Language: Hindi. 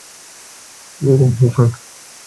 कल लॉन्च होगी नई Nissan Kicks, Creta से मुकाबला